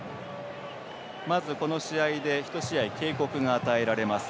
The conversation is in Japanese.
この試合で１試合警告が与えられます。